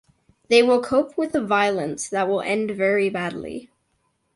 They will cope with a violence that will end very badly.